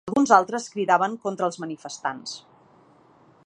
Alguns altres cridaven contra els manifestants.